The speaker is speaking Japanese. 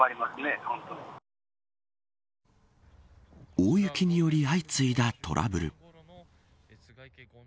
大雪により相次いだトラブル。